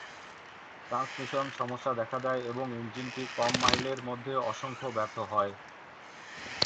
ট্রান্সমিশনে সমস্যা দেখা দেয় এবং ইঞ্জিনটি কম মাইলের মধ্যে অসংখ্য ব্যর্থ হয়।